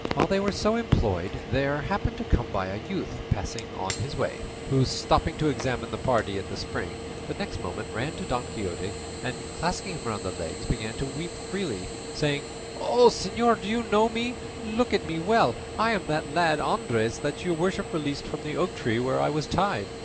While they were so employed there happened to come by a youth passing on his way, who stopping to examine the party at the spring, the next moment ran to Don Quixote and clasping him round the legs, began to weep freely, saying, "O, señor, do you not know me? Look at me well; I am that lad Andres that your worship released from the oak tree where I was tied."